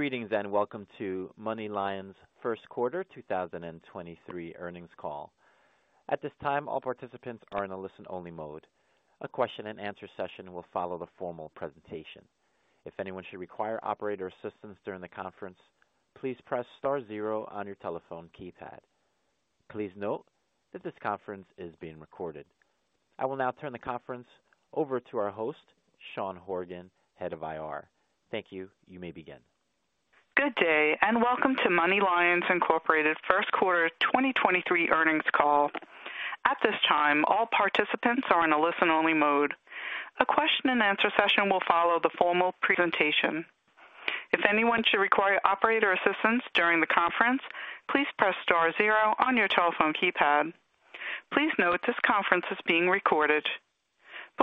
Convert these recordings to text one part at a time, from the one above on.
Greetings, welcome to MoneyLion's first quarter 2023 earnings call. At this time, all participants are in a listen-only mode. A question-and-answer session will follow the formal presentation. If anyone should require operator assistance during the conference, please press star zero on your telephone keypad. Please note that this conference is being recorded. I will now turn the conference over to our host, Sean Horgan, Head of IR. Thank you. You may begin.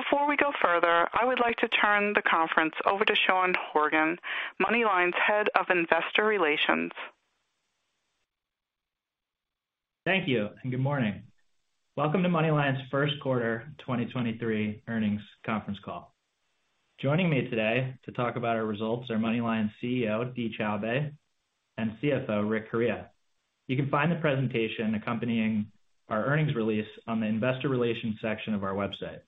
Thank you, and good morning. Welcome to MoneyLion's first quarter 2023 earnings conference call. Joining me today to talk about our results are MoneyLion's CEO, Dee Choubey, and CFO, Rick Correia. You can find the presentation accompanying our earnings release on the investor relations section of our website.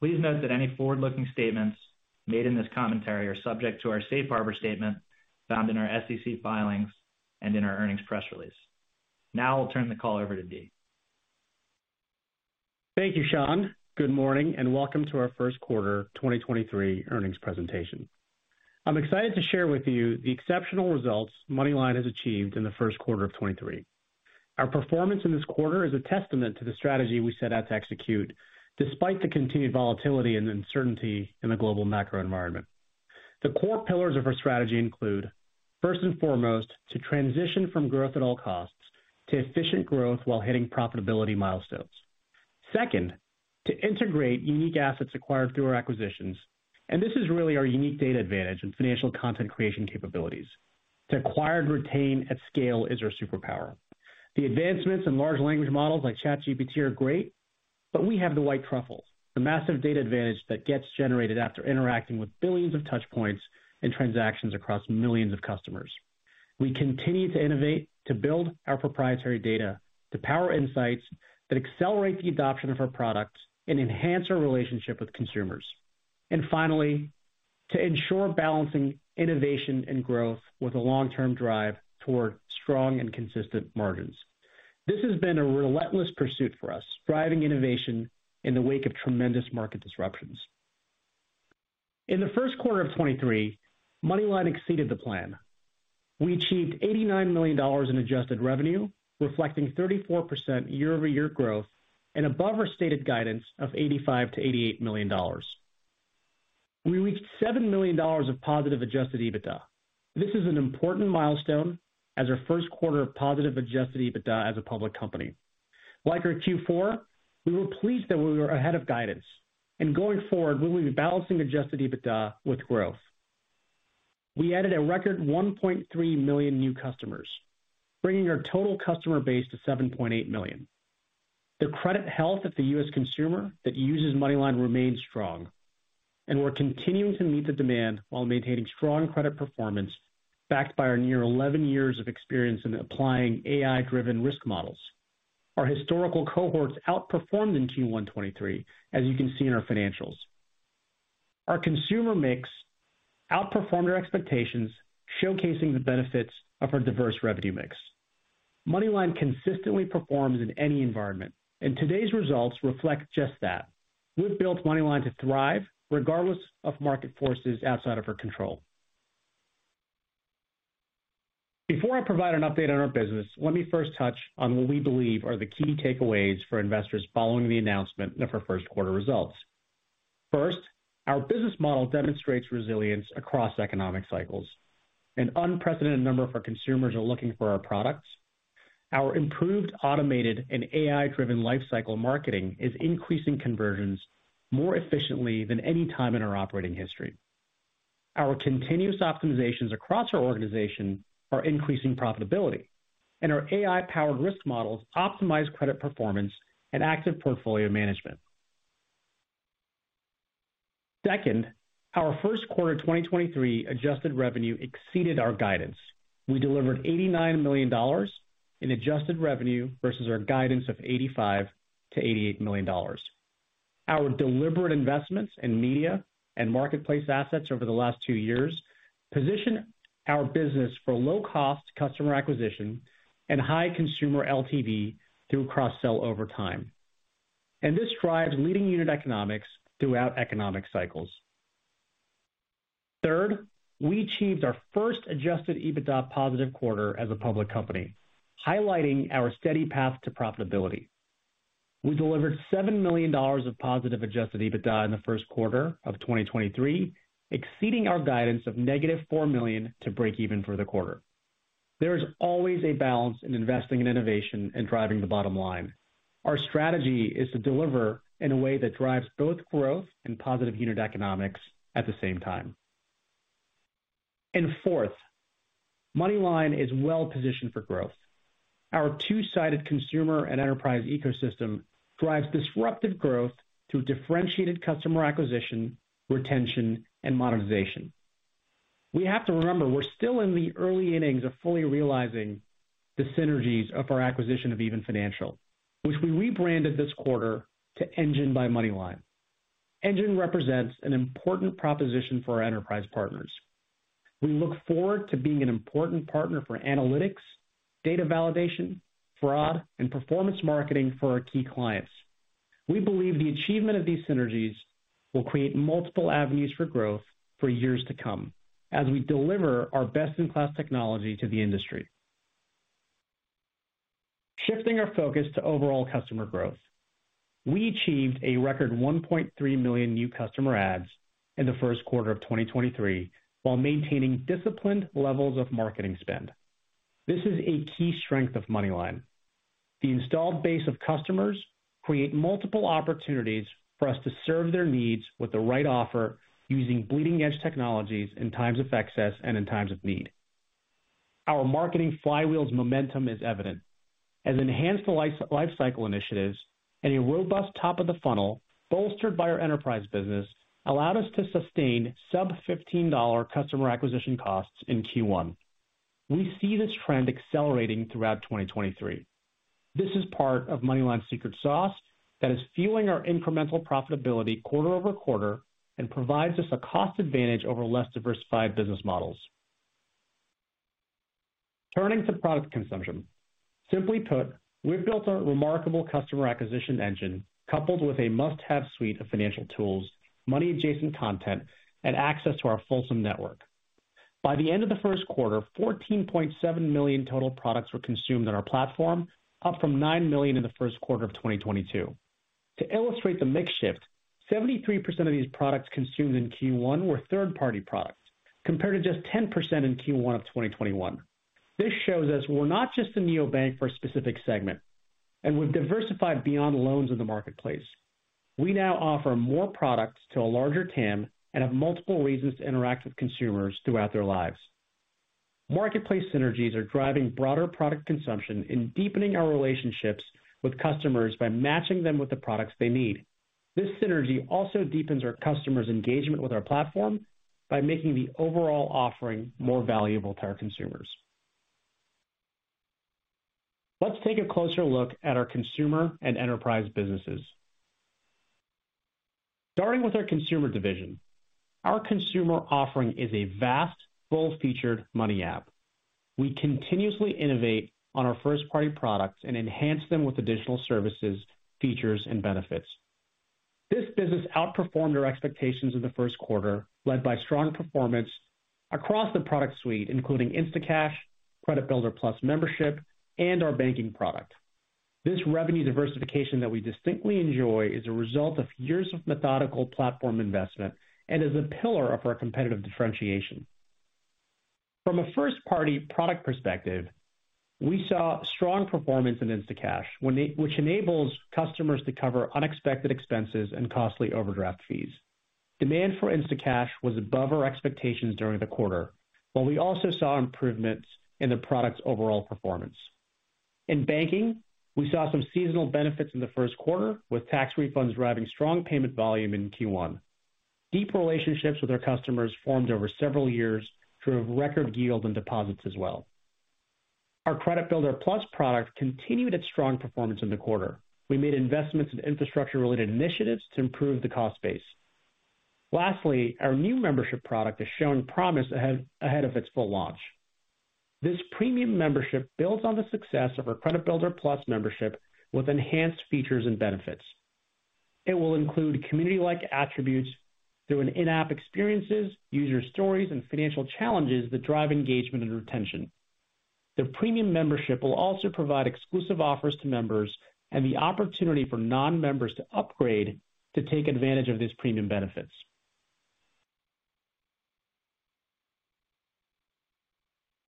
Please note that any forward-looking statements made in this commentary are subject to our safe harbor statement found in our SEC filings and in our earnings press release. Now I'll turn the call over to Dee. Thank you, Sean. Good morning, welcome to our first quarter 2023 earnings presentation. I'm excited to share with you the exceptional results MoneyLion has achieved in the first quarter of 2023. Our performance in this quarter is a testament to the strategy we set out to execute, despite the continued volatility and uncertainty in the global macro environment. The core pillars of our strategy include, first and foremost, to transition from growth at all costs to efficient growth while hitting profitability milestones. Second, to integrate unique assets acquired through our acquisitions, this is really our unique data advantage and financial content creation capabilities. To acquire and retain at scale is our superpower. The advancements in large language models like ChatGPT are great. We have the white truffles, the massive data advantage that gets generated after interacting with billions of touch points and transactions across millions of customers. We continue to innovate, to build our proprietary data, to power insights that accelerate the adoption of our products and enhance our relationship with consumers. Finally, to ensure balancing innovation and growth with a long-term drive toward strong and consistent margins. This has been a relentless pursuit for us, driving innovation in the wake of tremendous market disruptions. In the first quarter of 2023, MoneyLion exceeded the plan. We achieved $89 million in adjusted revenue, reflecting 34% year-over-year growth and above our stated guidance of $85 million-$88 million. We reached $7 million of positive adjusted EBITDA. This is an important milestone as our first quarter of positive adjusted EBITDA as a public company. Like our Q4, we were pleased that we were ahead of guidance. Going forward, we will be balancing adjusted EBITDA with growth. We added a record 1.3 million new customers, bringing our total customer base to 7.8 million. The credit health of the U.S. consumer that uses MoneyLion remains strong, and we're continuing to meet the demand while maintaining strong credit performance, backed by our near 11 years of experience in applying AI-driven risk models. Our historical cohorts outperformed in Q1 2023, as you can see in our financials. Our consumer mix outperformed our expectations, showcasing the benefits of our diverse revenue mix. MoneyLion consistently performs in any environment, and today's results reflect just that. We've built MoneyLion to thrive regardless of market forces outside of our control. Before I provide an update on our business, let me first touch on what we believe are the key takeaways for investors following the announcement of our first quarter results. First, our business model demonstrates resilience across economic cycles. An unprecedented number of our consumers are looking for our products. Our improved automated and AI-driven lifecycle marketing is increasing conversions more efficiently than any time in our operating history. Our continuous optimizations across our organization are increasing profitability, and our AI-powered risk models optimize credit performance and active portfolio management. Second, our first quarter 2023 adjusted revenue exceeded our guidance. We delivered $89 million in adjusted revenue versus our guidance of $85 million-$88 million. Our deliberate investments in media and marketplace assets over the last two years position our business for low-cost customer acquisition and high consumer LTV through cross-sell over time. This drives leading unit economics throughout economic cycles. Third, we achieved our first adjusted EBITDA positive quarter as a public company, highlighting our steady path to profitability. We delivered $7 million of positive adjusted EBITDA in the first quarter of 2023, exceeding our guidance of -$4 million to break even for the quarter. There is always a balance in investing in innovation and driving the bottom line. Our strategy is to deliver in a way that drives both growth and positive unit economics at the same time. Fourth, MoneyLion is well positioned for growth. Our two-sided consumer and enterprise ecosystem drives disruptive growth through differentiated customer acquisition, retention, and monetization. We have to remember, we're still in the early innings of fully realizing the synergies of our acquisition of Even Financial, which we rebranded this quarter to Engine by MoneyLion. Engine represents an important proposition for our enterprise partners. We look forward to being an important partner for analytics, data validation, fraud, and performance marketing for our key clients. We believe the achievement of these synergies will create multiple avenues for growth for years to come as we deliver our best-in-class technology to the industry. Shifting our focus to overall customer growth, we achieved a record 1.3 million new customer adds in the first quarter of 2023, while maintaining disciplined levels of marketing spend. This is a key strength of MoneyLion. The installed base of customers create multiple opportunities for us to serve their needs with the right offer using bleeding-edge technologies in times of excess and in times of need. Our marketing flywheel's momentum is evident as enhanced life, lifecycle initiatives and a robust top of the funnel, bolstered by our enterprise business, allowed us to sustain sub $15 customer acquisition costs in Q1. We see this trend accelerating throughout 2023. This is part of MoneyLion's secret sauce that is fueling our incremental profitability quarter over quarter and provides us a cost advantage over less diversified business models. Turning to product consumption. Simply put, we've built a remarkable customer acquisition engine coupled with a must-have suite of financial tools, money-adjacent content, and access to our fulsome network. By the end of the first quarter, 14.7 million total products were consumed on our platform, up from 9 million in the first quarter of 2022. To illustrate the mix shift, 73% of these products consumed in Q1 were third-party products, compared to just 10% in Q1 of 2021. This shows us we're not just a neobank for a specific segment, and we've diversified beyond loans in the marketplace. We now offer more products to a larger TAM and have multiple reasons to interact with consumers throughout their lives. Marketplace synergies are driving broader product consumption and deepening our relationships with customers by matching them with the products they need. This synergy also deepens our customers' engagement with our platform by making the overall offering more valuable to our consumers. Let's take a closer look at our consumer and enterprise businesses. Starting with our consumer division, our consumer offering is a vast, full-featured money app. We continuously innovate on our first-party products and enhance them with additional services, features, and benefits. This business outperformed our expectations in the first quarter, led by strong performance across the product suite, including Instacash, Credit Builder Plus membership, and our banking product. This revenue diversification that we distinctly enjoy is a result of years of methodical platform investment and is a pillar of our competitive differentiation. From a first-party product perspective, we saw strong performance in Instacash, which enables customers to cover unexpected expenses and costly overdraft fees. Demand for Instacash was above our expectations during the quarter, while we also saw improvements in the product's overall performance. In banking, we saw some seasonal benefits in the first quarter, with tax refunds driving strong payment volume in Q1. Deep relationships with our customers formed over several years through a record yield in deposits as well. Our Credit Builder Plus product continued its strong performance in the quarter. We made investments in infrastructure-related initiatives to improve the cost base. Lastly, our new membership product has shown promise ahead of its full launch. This premium membership builds on the success of our Credit Builder Plus membership with enhanced features and benefits. It will include community-like attributes through an in-app experiences, user stories, and financial challenges that drive engagement and retention. The premium membership will also provide exclusive offers to members and the opportunity for non-members to upgrade to take advantage of these premium benefits.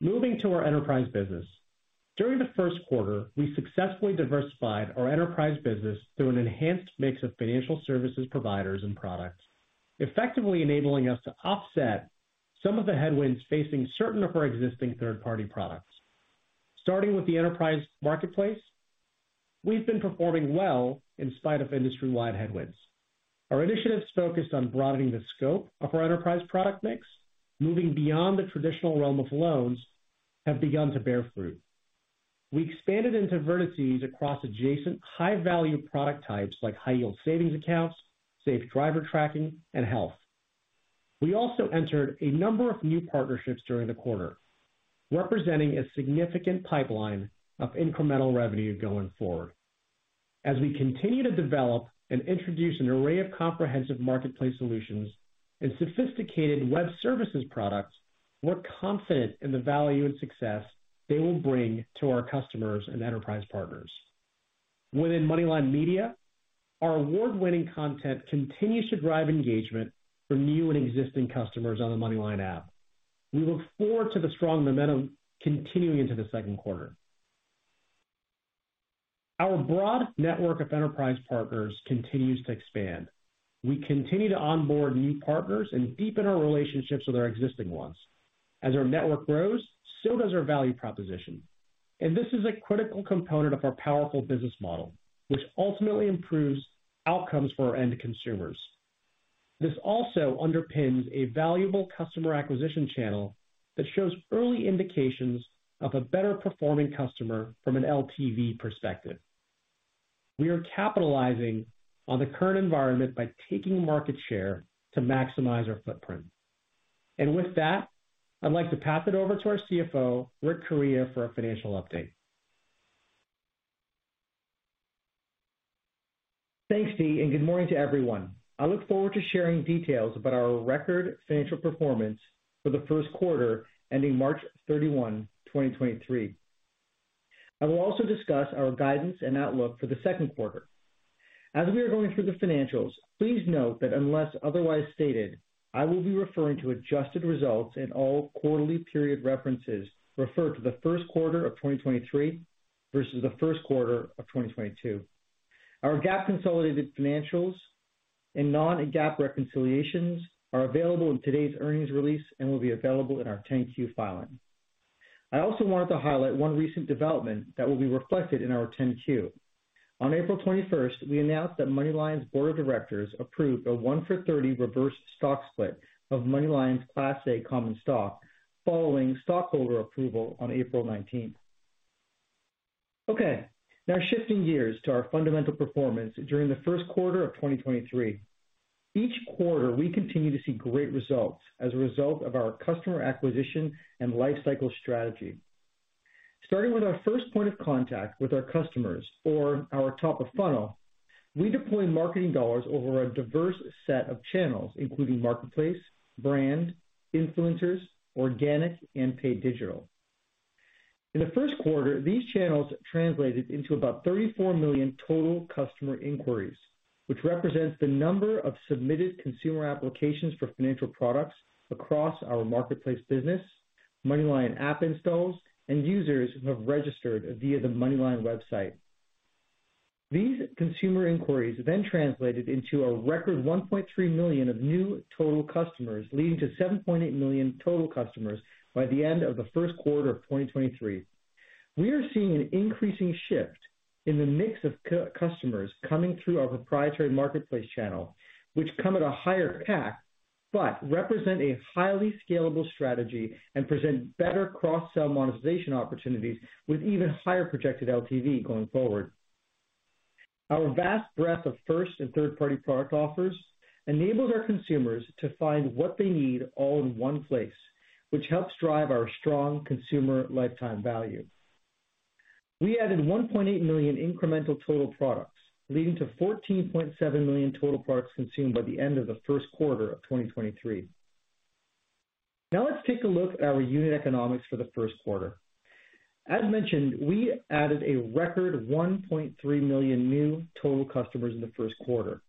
Moving to our enterprise business. During the first quarter, we successfully diversified our enterprise business through an enhanced mix of financial services providers and products, effectively enabling us to offset some of the headwinds facing certain of our existing third-party products. Starting with the enterprise marketplace, we've been performing well in spite of industry-wide headwinds. Our initiatives focused on broadening the scope of our enterprise product mix, moving beyond the traditional realm of loans, have begun to bear fruit. We expanded into vertices across adjacent high-value product types like high-yield savings accounts, Safe Driver tracking, and health. We also entered a number of new partnerships during the quarter, representing a significant pipeline of incremental revenue going forward. As we continue to develop and introduce an array of comprehensive marketplace solutions and sophisticated web services products, we're confident in the value and success they will bring to our customers and enterprise partners. Within MoneyLion Media, our award-winning content continues to drive engagement for new and existing customers on the MoneyLion app. We look forward to the strong momentum continuing into the second quarter. Our broad network of enterprise partners continues to expand. We continue to onboard new partners and deepen our relationships with our existing ones. As our network grows, so does our value proposition. This is a critical component of our powerful business model, which ultimately improves outcomes for our end consumers. This also underpins a valuable customer acquisition channel that shows early indications of a better performing customer from an LTV perspective. We are capitalizing on the current environment by taking market share to maximize our footprint. With that, I'd like to pass it over to our CFO, Rick Correia, for a financial update. Thanks, Dee. Good morning to everyone. I look forward to sharing details about our record financial performance for the first quarter ending March 31, 2023. I will also discuss our guidance and outlook for the second quarter. As we are going through the financials, please note that unless otherwise stated, I will be referring to adjusted results. All quarterly period references refer to the first quarter of 2023 versus the first quarter of 2022. Our GAAP consolidated financials and non-GAAP reconciliations are available in today's earnings release and will be available in our 10-Q filing. I also wanted to highlight one recent development that will be reflected in our 10-Q. On April 21st, we announced that MoneyLion's board of directors approved a 1 for 30 reverse stock split of MoneyLion's Class A Common Stock following stockholder approval on April 19th. Okay, shifting gears to our fundamental performance during the first quarter of 2023. Each quarter, we continue to see great results as a result of our customer acquisition and lifecycle strategy. Starting with our first point of contact with our customers or our top of funnel, we deploy marketing dollars over a diverse set of channels, including marketplace, brand, influencers, organic, and paid digital. In the first quarter, these channels translated into about 34 million total customer inquiries, which represents the number of submitted consumer applications for financial products across our marketplace business, MoneyLion app installs, and users who have registered via the MoneyLion website. These consumer inquiries translated into a record 1.3 million of new total customers, leading to 7.8 million total customers by the end of the first quarter of 2023. We are seeing an increasing shift in the mix of customers coming through our proprietary marketplace channel, which come at a higher CAC, represent a highly scalable strategy and present better cross-sell monetization opportunities with even higher projected LTV going forward. Our vast breadth of first and third-party product offers enables our consumers to find what they need all in one place, which helps drive our strong consumer lifetime value. We added 1.8 million incremental total products, leading to 14.7 million total products consumed by the end of the first quarter of 2023. Let's take a look at our unit economics for the first quarter. As mentioned, we added a record 1.3 million new total customers in the first quarter.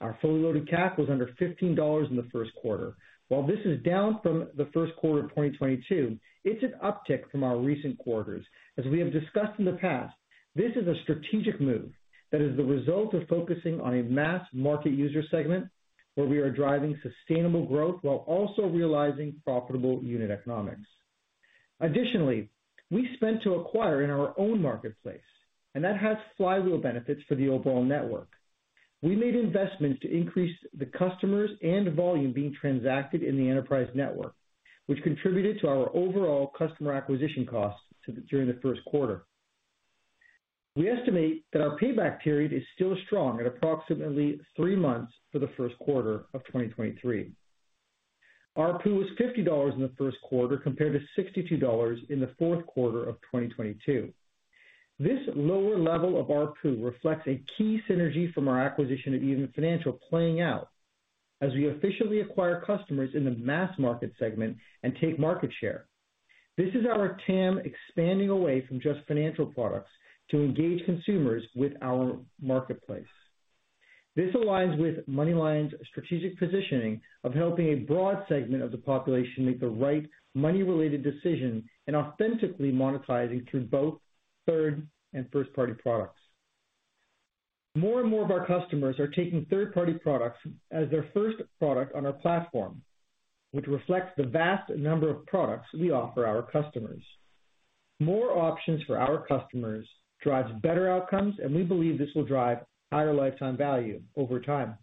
Our fully loaded CAC was under $15 in the first quarter. While this is down from the first quarter of 2022, it's an uptick from our recent quarters. As we have discussed in the past, this is a strategic move that is the result of focusing on a mass market user segment where we are driving sustainable growth while also realizing profitable unit economics. We spent to acquire in our own marketplace, and that has flywheel benefits for the overall network. We made investments to increase the customers and volume being transacted in the enterprise network, which contributed to our overall customer acquisition costs during the first quarter. We estimate that our payback period is still strong at approximately three months for the first quarter of 2023. ARPU was $50 in the first quarter compared to $62 in the fourth quarter of 2022. This lower level of ARPU reflects a key synergy from our acquisition of Even Financial playing out as we officially acquire customers in the mass market segment and take market share. This is our TAM expanding away from just financial products to engage consumers with our marketplace. This aligns with MoneyLion's strategic positioning of helping a broad segment of the population make the right money-related decision and authentically monetizing through both third and first-party products. More and more of our customers are taking third-party products as their first product on our platform, which reflects the vast number of products we offer our customers. More options for our customers drives better outcomes, and we believe this will drive higher lifetime value over time.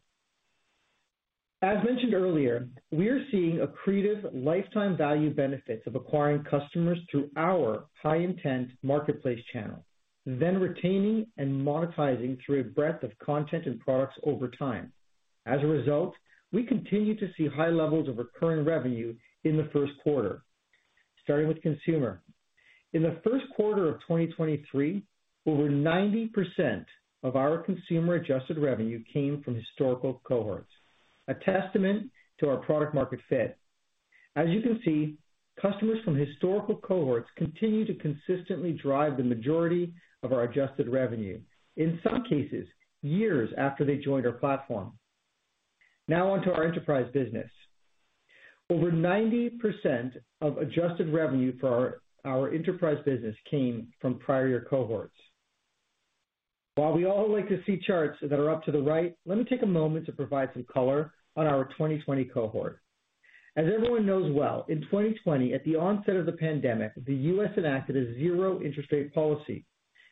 As mentioned earlier, we are seeing accretive lifetime value benefits of acquiring customers through our high intent marketplace channel, then retaining and monetizing through a breadth of content and products over time. As a result, we continue to see high levels of recurring revenue in the first quarter. Starting with consumer. In the first quarter of 2023, over 90% of our consumer-adjusted revenue came from historical cohorts, a testament to our product market fit. As you can see, customers from historical cohorts continue to consistently drive the majority of our adjusted revenue, in some cases, years after they joined our platform. On to our enterprise business. Over 90% of adjusted revenue for our enterprise business came from prior year cohorts. While we all like to see charts that are up to the right, let me take a moment to provide some color on our 2020 cohort. As everyone knows well, in 2020, at the onset of the pandemic, the U.S. enacted a zero interest rate policy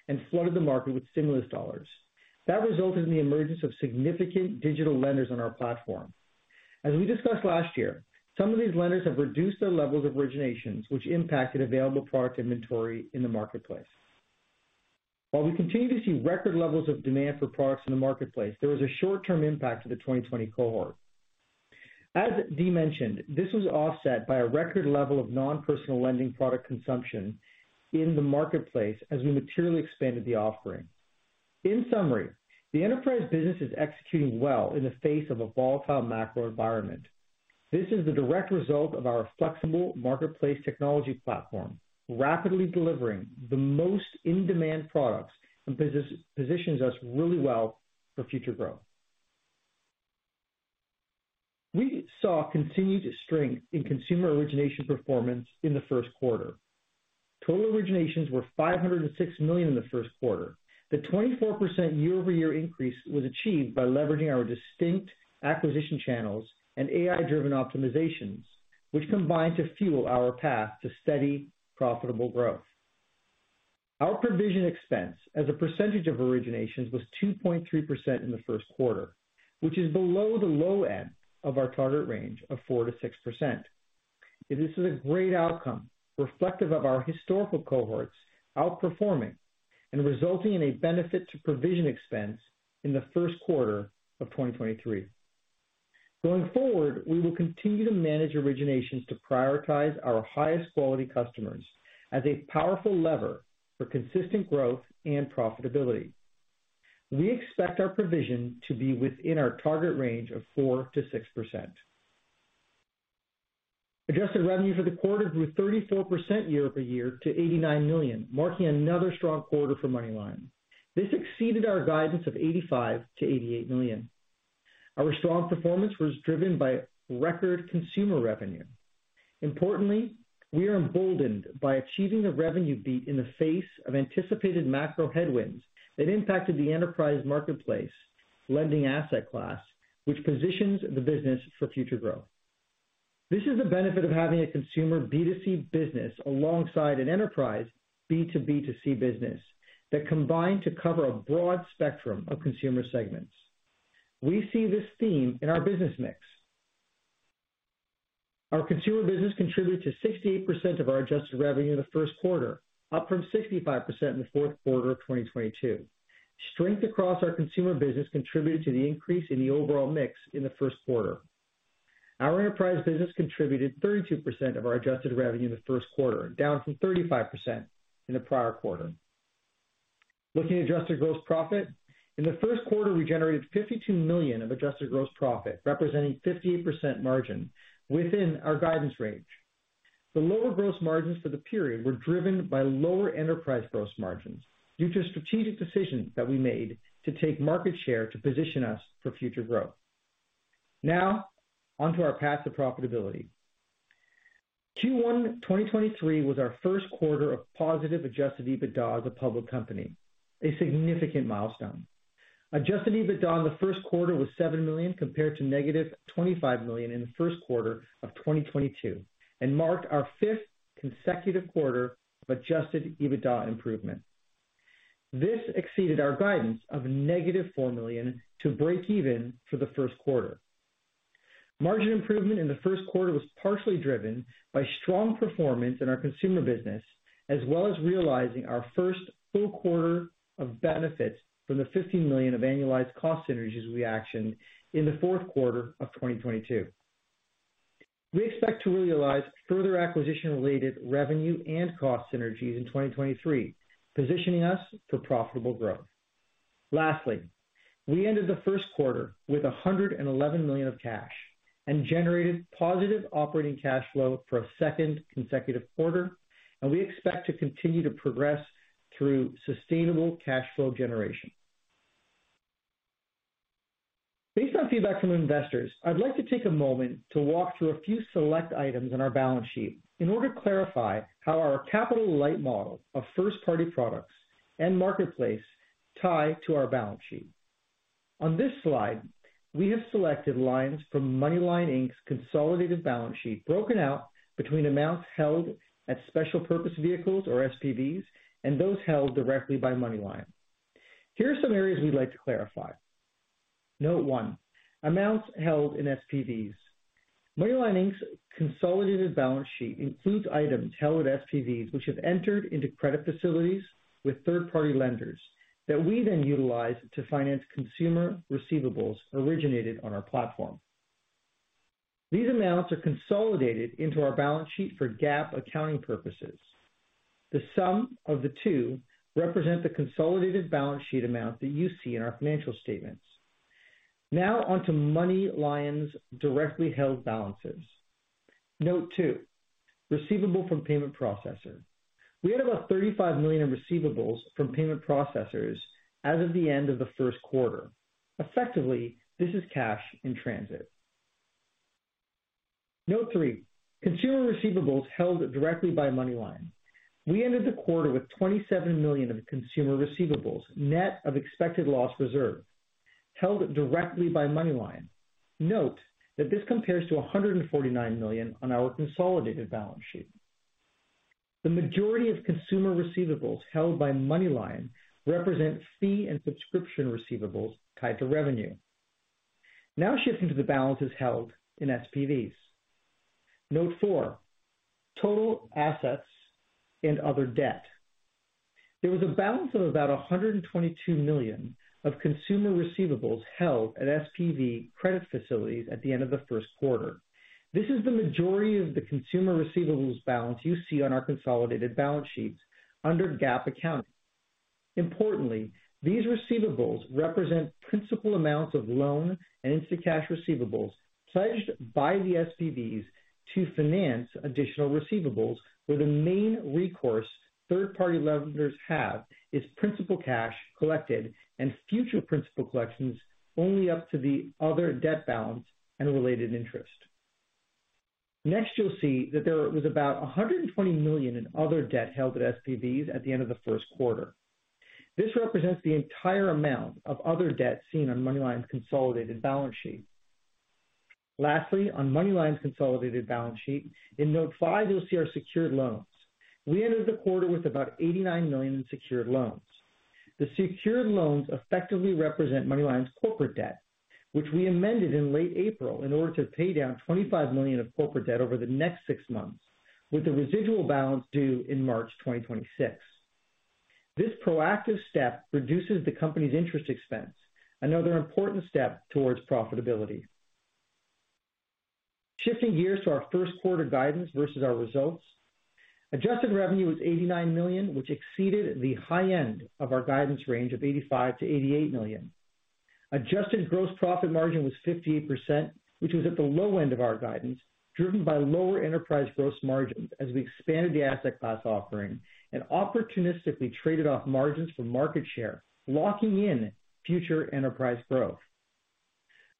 and flooded the market with stimulus dollars. Resulted in the emergence of significant digital lenders on our platform. As we discussed last year, some of these lenders have reduced their levels of originations, which impacted available product inventory in the marketplace. While we continue to see record levels of demand for products in the marketplace, there was a short-term impact to the 2020 cohort. As Dee mentioned, this was offset by a record level of non-personal lending product consumption in the marketplace as we materially expanded the offering. In summary, the enterprise business is executing well in the face of a volatile macro environment. This is the direct result of our flexible marketplace technology platform, rapidly delivering the most in-demand products and positions us really well for future growth. We saw continued strength in consumer origination performance in the first quarter. Total originations were $506 million in the first quarter. The 24% year-over-year increase was achieved by leveraging our distinct acquisition channels and AI-driven optimizations, which combined to fuel our path to steady, profitable growth. Our provision expense as a percentage of originations was 2.2% in the first quarter, which is below the low end of our target range of 4%-6%. This is a great outcome, reflective of our historical cohorts outperforming and resulting in a benefit to provision expense in the first quarter of 2023. Going forward, we will continue to manage originations to prioritize our highest quality customers as a powerful lever for consistent growth and profitability. We expect our provision to be within our target range of 4%-6%. Adjusted revenue for the quarter grew 34% year-over-year to $89 million, marking another strong quarter for MoneyLion. This exceeded our guidance of $85 million-$88 million. Our strong performance was driven by record consumer revenue. Importantly, we are emboldened by achieving a revenue beat in the face of anticipated macro headwinds that impacted the enterprise marketplace lending asset class, which positions the business for future growth. This is the benefit of having a consumer B2C business alongside an enterprise B2B2C business that combine to cover a broad spectrum of consumer segments. We see this theme in our business mix. Our consumer business contributed to 68% of our adjusted revenue in the first quarter, up from 65% in the fourth quarter of 2022. Strength across our consumer business contributed to the increase in the overall mix in the first quarter. Our enterprise business contributed 32% of our adjusted revenue in the first quarter, down from 35% in the prior quarter. Looking at adjusted gross profit. In the first quarter, we generated $52 million of adjusted gross profit, representing 58% margin within our guidance range. The lower gross margins for the period were driven by lower enterprise gross margins due to strategic decisions that we made to take market share to position us for future growth. On to our path to profitability. Q1 2023 was our first quarter of positive adjusted EBITDA as a public company, a significant milestone. Adjusted EBITDA in the first quarter was $7 million compared to negative $25 million in the first quarter of 2022 and marked our 5th consecutive quarter of adjusted EBITDA improvement. This exceeded our guidance of negative $4 million to break even for the first quarter. Margin improvement in the first quarter was partially driven by strong performance in our consumer business, as well as realizing our first full quarter of benefits from the $15 million of annualized cost synergies we actioned in the fourth quarter of 2022. We expect to realize further acquisition-related revenue and cost synergies in 2023, positioning us for profitable growth. Lastly, we ended the first quarter with $111 million of cash and generated positive operating cash flow for a second consecutive quarter, and we expect to continue to progress through sustainable cash flow generation. Based on feedback from investors, I'd like to take a moment to walk through a few select items on our balance sheet in order to clarify how our capital-light model of first-party products and marketplace tie to our balance sheet. On this slide, we have selected lines from MoneyLion Inc.'s consolidated balance sheet broken out between amounts held at special purpose vehicles, or SPVs, and those held directly by MoneyLion. Here are some areas we'd like to clarify. Note one, amounts held in SPVs. MoneyLion Inc.'s consolidated balance sheet includes items held at SPVs which have entered into credit facilities with third-party lenders that we then utilize to finance consumer receivables originated on our platform. These amounts are consolidated into our balance sheet for GAAP accounting purposes. The sum of the two represent the consolidated balance sheet amount that you see in our financial statements. Now on to MoneyLion's directly held balances. Note two, receivable from payment processor. We had about $35 million in receivables from payment processors as of the end of the first quarter. Effectively, this is cash in transit. Note three, consumer receivables held directly by MoneyLion. We ended the quarter with $27 million of consumer receivables, net of expected loss reserve, held directly by MoneyLion. Note that this compares to $149 million on our consolidated balance sheet. The majority of consumer receivables held by MoneyLion represent fee and subscription receivables tied to revenue. Now shifting to the balances held in SPVs. Note four, total assets and other debt. There was a balance of about $122 million of consumer receivables held at SPV credit facilities at the end of the first quarter. This is the majority of the consumer receivables balance you see on our consolidated balance sheets under GAAP accounting. Importantly, these receivables represent principal amounts of loan and Instacash receivables pledged by the SPVs to finance additional receivables, where the main recourse third-party lenders have is principal cash collected and future principal collections only up to the other debt balance and related interest. You'll see that there was about $120 million in other debt held at SPVs at the end of the first quarter. This represents the entire amount of other debt seen on MoneyLion's consolidated balance sheet. On MoneyLion's consolidated balance sheet, in Note five, you'll see our secured loans. We entered the quarter with about $89 million in secured loans. The secured loans effectively represent MoneyLion's corporate debt, which we amended in late April in order to pay down $25 million of corporate debt over the next six months, with the residual balance due in March 2026. This proactive step reduces the company's interest expense, another important step towards profitability. Shifting gears to our first quarter guidance versus our results. Adjusted revenue was $89 million, which exceeded the high end of our guidance range of $85 million-$88 million. Adjusted gross profit margin was 58%, which was at the low end of our guidance, driven by lower enterprise gross margins as we expanded the asset class offering and opportunistically traded off margins for market share, locking in future enterprise growth.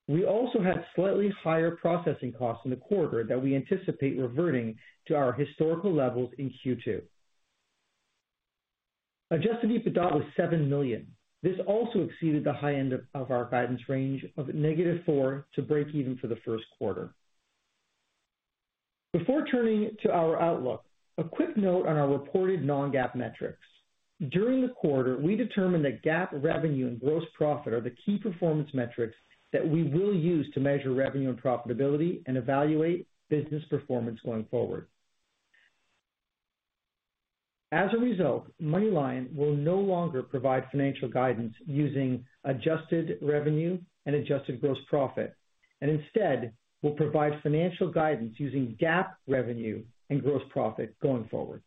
We also had slightly higher processing costs in the quarter that we anticipate reverting to our historical levels in Q2. Adjusted EBITDA was $7 million. This also exceeded the high end of our guidance range of -$4 million to break even for the first quarter. Before turning to our outlook, a quick note on our reported non-GAAP metrics. During the quarter, we determined that GAAP revenue and gross profit are the key performance metrics that we will use to measure revenue and profitability and evaluate business performance going forward. As a result, MoneyLion will no longer provide financial guidance using adjusted revenue and adjusted gross profit, and instead will provide financial guidance using GAAP revenue and gross profit going forward.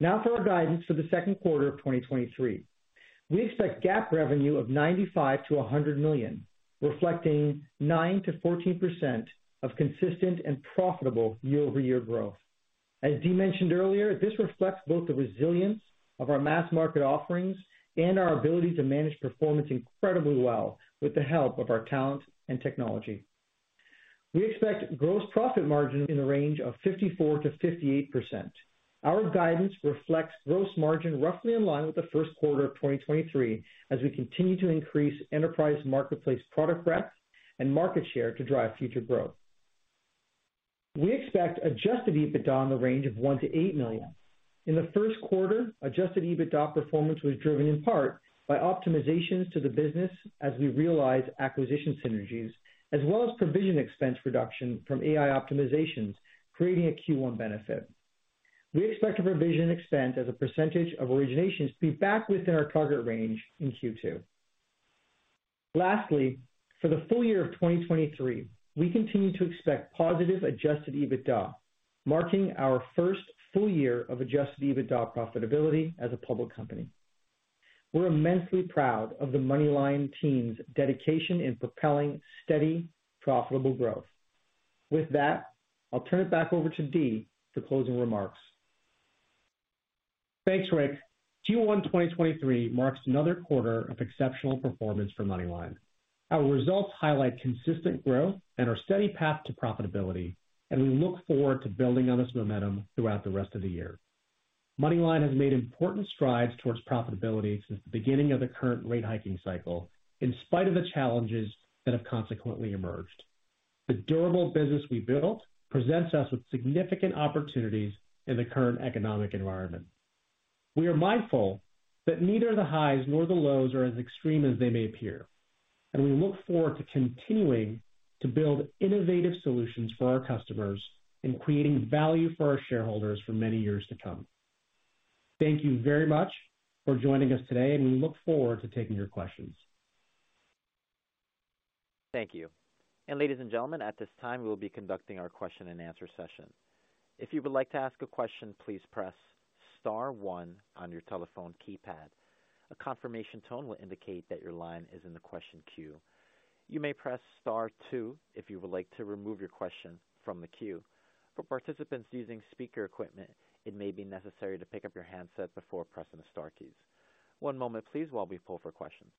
For our guidance for the second quarter of 2023. We expect GAAP revenue of $95 million-$100 million, reflecting 9%-14% of consistent and profitable year-over-year growth. As Dee mentioned earlier, this reflects both the resilience of our mass market offerings and our ability to manage performance incredibly well with the help of our talent and technology. We expect gross profit margin in the range of 54%-58%. Our guidance reflects gross margin roughly in line with the first quarter of 2023 as we continue to increase enterprise marketplace product breadth and market share to drive future growth. We expect adjusted EBITDA in the range of $1 million-$8 million. In the first quarter, adjusted EBITDA performance was driven in part by optimizations to the business as we realize acquisition synergies, as well as provision expense reduction from AI optimizations, creating a Q1 benefit. We expect a provision expense as a percentage of originations to be back within our target range in Q2. Lastly, for the full year of 2023, we continue to expect positive adjusted EBITDA, marking our first full year of adjusted EBITDA profitability as a public company. We're immensely proud of the MoneyLion team's dedication in propelling steady, profitable growth. With that, I'll turn it back over to Dee for closing remarks. Thanks, Rick. Q1 2023 marks another quarter of exceptional performance for MoneyLion. Our results highlight consistent growth and our steady path to profitability. We look forward to building on this momentum throughout the rest of the year. MoneyLion has made important strides towards profitability since the beginning of the current rate hiking cycle, in spite of the challenges that have consequently emerged. The durable business we built presents us with significant opportunities in the current economic environment. We are mindful that neither the highs nor the lows are as extreme as they may appear. We look forward to continuing to build innovative solutions for our customers in creating value for our shareholders for many years to come. Thank you very much for joining us today. We look forward to taking your questions. Thank you. Ladies and gentlemen, at this time, we will be conducting our question and answer session. If you would like to ask a question, please press star one on your telephone keypad. A confirmation tone will indicate that your line is in the question queue. You may press star two if you would like to remove your question from the queue. For participants using speaker equipment, it may be necessary to pick up your handset before pressing the star keys. One moment please while we pull for questions.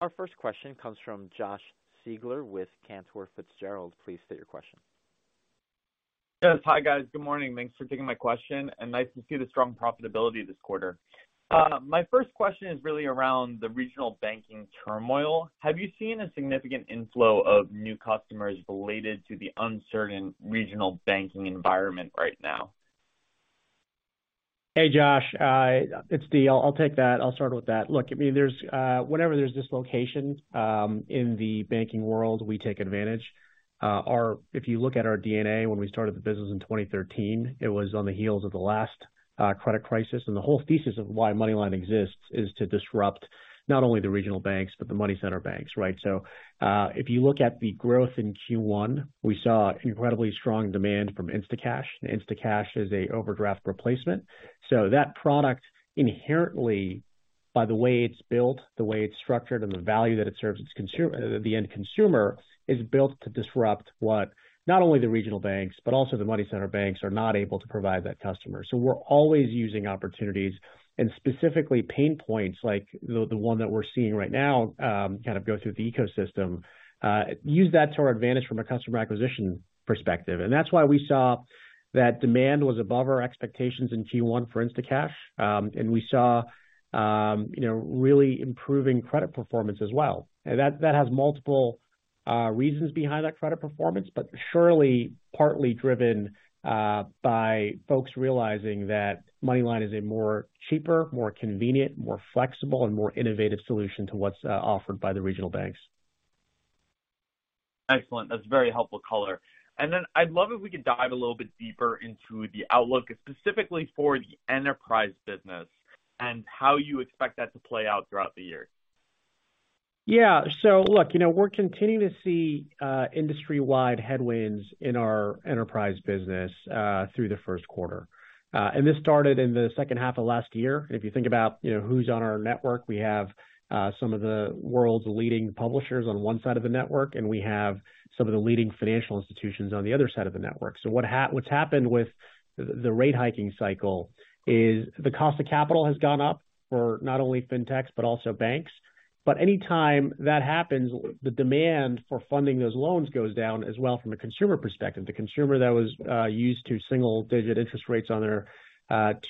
Our first question comes from Josh Siegler with Cantor Fitzgerald. Please state your question. Yes. Hi, guys. Good morning. Thanks for taking my question and nice to see the strong profitability this quarter. My first question is really around the regional banking turmoil. Have you seen a significant inflow of new customers related to the uncertain regional banking environment right now? Hey, Josh, it's Dee. I'll take that. I'll start with that. Look, I mean, whenever there's dislocation in the banking world, we take advantage. If you look at our DNA, when we started the business in 2013, it was on the heels of the last credit crisis. The whole thesis of why MoneyLion exists is to disrupt not only the regional banks, but the money center banks, right? If you look at the growth in Q1, we saw incredibly strong demand from Instacash. Instacash is a overdraft replacement. That product inherently, by the way it's built, the way it's structured, and the value that it serves the end consumer, is built to disrupt what not only the regional banks, but also the money center banks are not able to provide that customer. We're always using opportunities and specifically pain points like the one that we're seeing right now, kind of go through the ecosystem, use that to our advantage from a customer acquisition perspective. That's why we saw that demand was above our expectations in Q1 for Instacash. We saw, you know, really improving credit performance as well. That has multiple reasons behind that credit performance, but surely partly driven by folks realizing that MoneyLion is a more cheaper, more convenient, more flexible, and more innovative solution to what's offered by the regional banks. Excellent. That's a very helpful color. I'd love if we could dive a little bit deeper into the outlook, specifically for the enterprise business and how you expect that to play out throughout the year. Yeah. Look, you know, we're continuing to see industry-wide headwinds in our enterprise business through the first quarter. This started in the second half of last year. If you think about, you know, who's on our network, we have some of the world's leading publishers on one side of the network, and we have some of the leading financial institutions on the other side of the network. What's happened with the rate hiking cycle is the cost of capital has gone up for not only fintechs but also banks. Any time that happens, the demand for funding those loans goes down as well from a consumer perspective. The consumer that was used to single-digit interest rates on their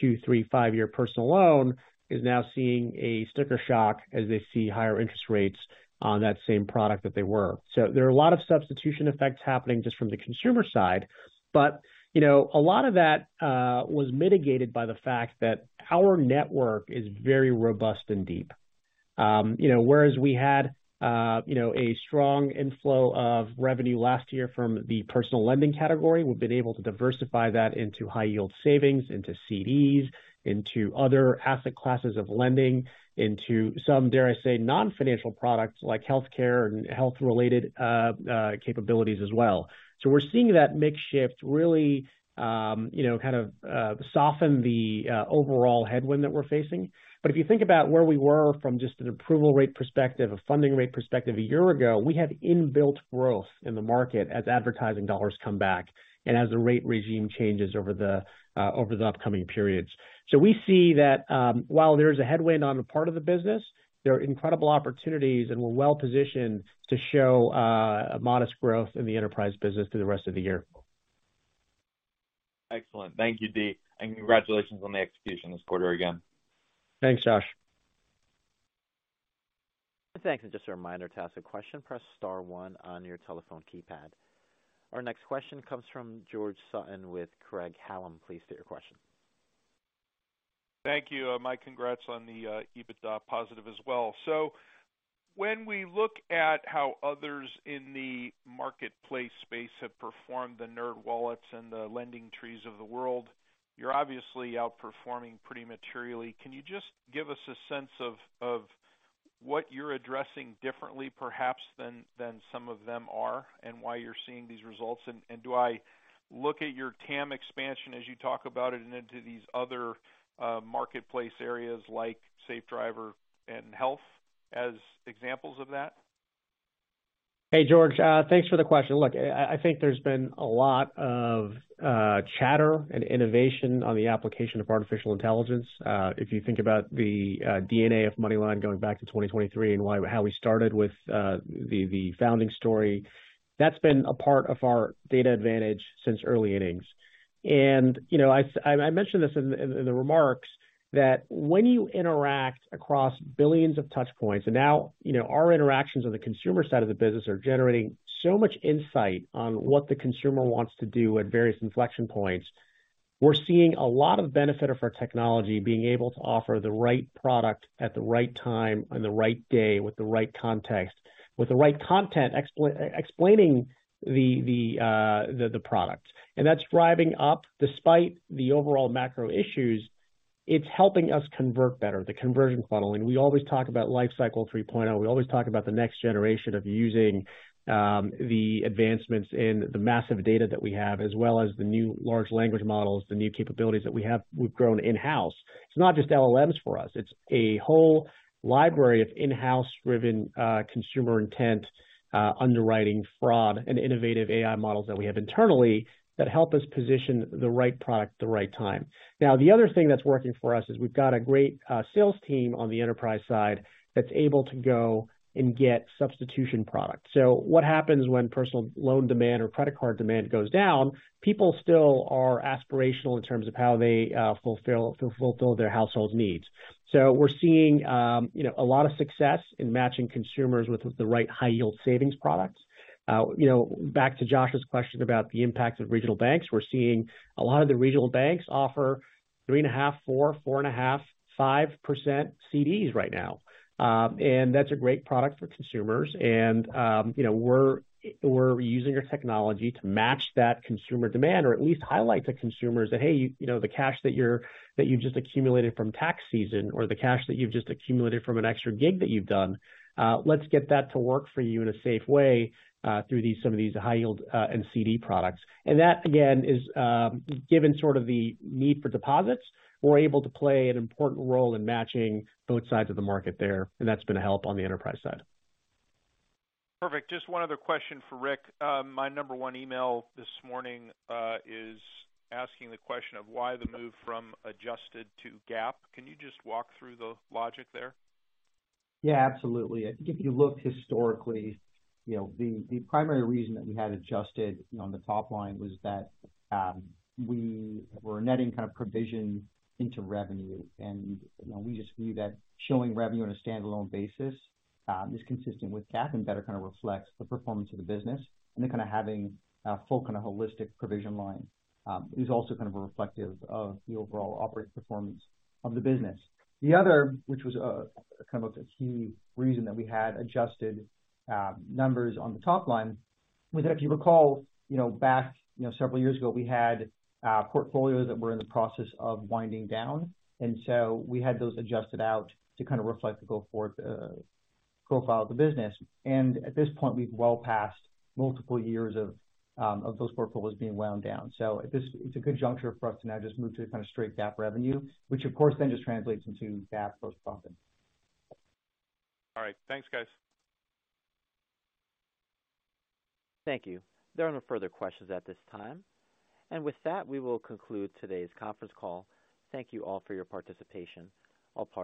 two, three, five-year personal loan is now seeing a sticker shock as they see higher interest rates on that same product that they were. There are a lot of substitution effects happening just from the consumer side. You know, a lot of that was mitigated by the fact that our network is very robust and deep. You know, whereas we had, you know, a strong inflow of revenue last year from the personal lending category, we've been able to diversify that into high-yield savings, into CDs, into other asset classes of lending, into some, dare I say, non-financial products like healthcare and health-related capabilities as well. We're seeing that mix shift really, you know, kind of soften the overall headwind that we're facing. If you think about where we were from just an approval rate perspective, a funding rate perspective a year ago, we have inbuilt growth in the market as advertising dollars come back and as the rate regime changes over the upcoming periods. We see that, while there's a headwind on the part of the business, there are incredible opportunities, and we're well-positioned to show a modest growth in the enterprise business through the rest of the year. Excellent. Thank you, Dee. Congratulations on the execution this quarter again. Thanks, Josh. Thanks. Just a reminder, to ask a question, press star one on your telephone keypad. Our next question comes from George Sutton with Craig-Hallum. Please state your question. Thank you. My congrats on the EBITDA positive as well. When we look at how others in the marketplace space have performed, the NerdWallet and the LendingTree of the world, you're obviously outperforming pretty materially. Can you just give us a sense of what you're addressing differently perhaps than some of them are, and why you're seeing these results? Do I look at your TAM expansion as you talk about it and into these other marketplace areas like Safe Driver and Health as examples of that? Hey, George, thanks for the question. Look, I think there's been a lot of chatter and innovation on the application of artificial intelligence. If you think about the DNA of MoneyLion going back to 2023 and how we started with the founding story, that's been a part of our data advantage since early innings. You know, I mentioned this in the, in the remarks that when you interact across billions of touch points, and now, you know, our interactions on the consumer side of the business are generating so much insight on what the consumer wants to do at various inflection points. We're seeing a lot of benefit of our technology being able to offer the right product at the right time on the right day with the right context, with the right content explaining the product. That's driving up despite the overall macro issues. It's helping us convert better, the conversion funnel. We always talk about Lifecycle 3.0. We always talk about the next generation of using the advancements in the massive data that we have, as well as the new large language models, the new capabilities that we've grown in-house. It's not just LLMs for us. It's a whole library of in-house driven consumer intent, underwriting fraud and innovative AI models that we have internally that help us position the right product at the right time. The other thing that's working for us is we've got a great sales team on the enterprise side that's able to go and get substitution products. What happens when personal loan demand or credit card demand goes down? People still are aspirational in terms of how they fulfill their household needs. We're seeing, you know, a lot of success in matching consumers with the right high-yield savings products. You know, back to Josh's question about the impact of regional banks. We're seeing a lot of the regional banks offer 3.5%, 4%, 4.5%, 5% CDs right now. That's a great product for consumers. You know, we're using our technology to match that consumer demand or at least highlight to consumers that, hey, you know, the cash that you've just accumulated from tax season or the cash that you've just accumulated from an extra gig that you've done, let's get that to work for you in a safe way, through some of these high-yield and CD products. That again is, given sort of the need for deposits, we're able to play an important role in matching both sides of the market there, and that's been a help on the enterprise side. Perfect. Just one other question for Rick. My number one email this morning is asking the question of why the move from adjusted to GAAP. Can you just walk through the logic there? Yeah, absolutely. I think if you look historically, you know, the primary reason that we had adjusted, you know, on the top line was that we were netting kind of provision into revenue. You know, we just view that showing revenue on a standalone basis, is consistent with GAAP and better kind of reflects the performance of the business. Kind of having a full kind of holistic provision line, is also kind of a reflective of the overall operating performance of the business. The other, which was, kind of a key reason that we had adjusted, numbers on the top line was that if you recall, you know, back, you know, several years ago, we had, portfolios that were in the process of winding down. We had those adjusted out to kind of reflect the go-forward profile of the business. At this point, we've well passed multiple years of those portfolios being wound down. It's a good juncture for us to now just move to kind of straight GAAP revenue, which of course then just translates into GAAP gross profit. All right. Thanks, guys. Thank you. There are no further questions at this time. With that, we will conclude today's conference call. Thank you all for your participation.